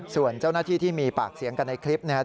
ส่วนเจ้าหน้าที่ที่มีปากเสียงกันในคลิปนะครับ